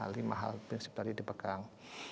lima hal prinsip tadi dipegang